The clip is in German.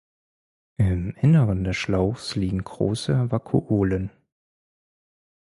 Im Inneren des Schlauchs liegen große Vakuolen.